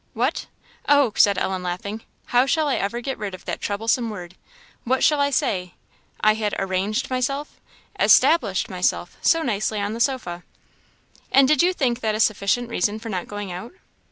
"What! oh," said Ellen, laughing, "how shall I ever get rid of that troublesome word? What shall I say? I had arranged myself, established myself, so nicely on the sofa." "And did you think that a sufficient reason for not going out?"